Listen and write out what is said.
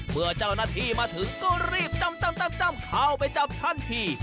เมื่อเจ้าหน้าที่มาถึงก็รีบจ้ำเข้าไปจับทันที